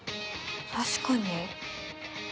確かに。